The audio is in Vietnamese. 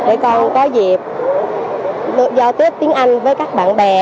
để con có dịp giao tiếp tiếng anh với các bạn bè